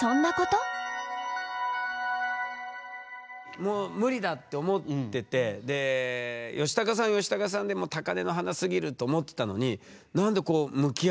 もうムリだって思っててでヨシタカさんはヨシタカさんでもう高根の花すぎると思ってたのに何でこう向き合うことになるんですか？